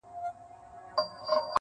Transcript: واعضِه تا مطرب ته چيري غوږ نېولی نه دی،